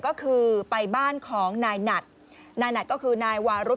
ก็คือไปบ้านของนายหนัดนายหนัดก็คือนายวารุธ